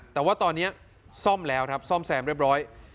แต่ว่าตอนนี้ซ่อมแล้วครับซ่อมแซมเรียบร้อย